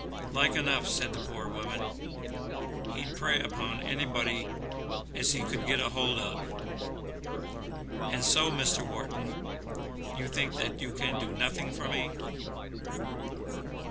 "Like enough," said the poor wife. "He'd prey upon anybody as he could get a hold of. And so, Mr. Wharton, you think that you can do nothing for me."